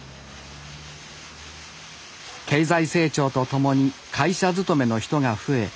経済成長とともに会社勤めの人が増え